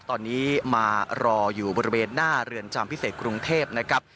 ตอนนี้มารออยู่บริเวณหน้าเรือนจำพิเศษกรุงเทพนะครับ